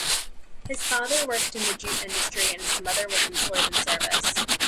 His father worked in the jute industry and his mother was employed in service.